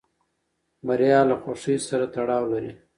بریا له خوښۍ سره تړاو لري.